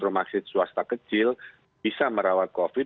rumah sakit swasta kecil bisa merawat covid